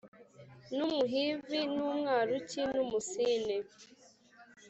n Umuhivi n Umwaruki n Umusini